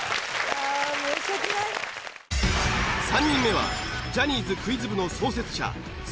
３人目はジャニーズクイズ部の創設者